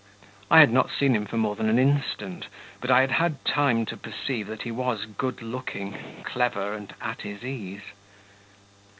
I had not seen him for more than an instant, but I had had time to perceive that he was good looking, clever, and at his ease.